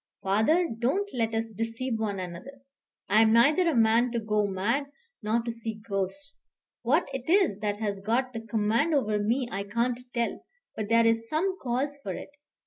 "Father, don't let us deceive one another. I am neither a man to go mad nor to see ghosts. What it is that has got the command over me I can't tell; but there is some cause for it.